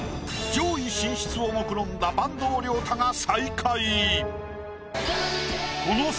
上位進出をもくろんだ坂東龍汰が最下位。